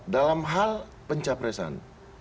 dalam hal pencapresan